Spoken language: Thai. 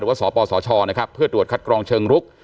สปสชนะครับเพื่อตรวจคัดกรองเชิงรุก